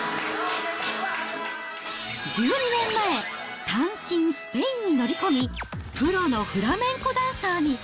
１２年前、単身スペインに乗り込み、プロのフラメンコダンサーに。